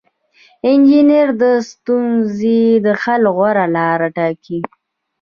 انجینر د ستونزې د حل غوره لاره ټاکي.